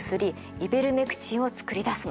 イベルメクチンを作り出すの。